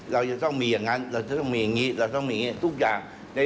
เราจะต้องมีอย่างนั้นเราจะต้องมีอย่างนี้เราต้องมีอย่างนี้ทุกอย่าง